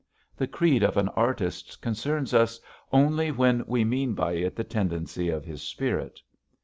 The creed of an artist concerns us only when we mean by it the tendency of his spirit.